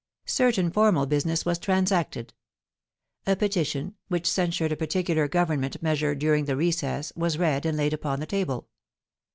Certain formal business was transacted. A p>etition, which censured a particular Government measure during the recess, was read and laid upon the table.